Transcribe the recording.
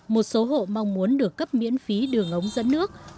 một số hộ mong muốn được cấp miễn phí đường ống dẫn nước